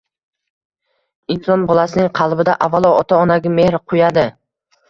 Inson bolasining qalbida avvalo ota-onaga mehr quyadi